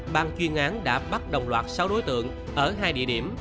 ban chuyên án đã bắt đồng loạt sáu đối tượng ở hai địa điểm